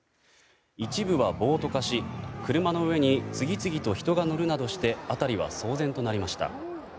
一部は暴徒化し、車の上に次々と人が乗るなどして辺りは騒然となりました。